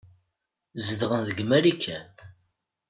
Zedɣen deg Marikan.